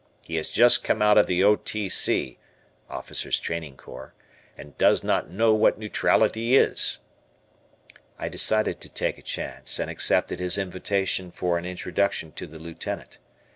He has just come out of the O. T. C. (Officers' Training Corps) and does not know what neutrality is." I decided to take a chance, and accepted his invitation for an introduction to the Lieutenant.